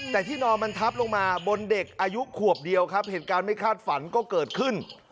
แต่ที่นอนมันทับลงมาบนเด็กอายุขวบเดียวครับเหตุการณ์ไม่คาดฝันก็เกิดขึ้น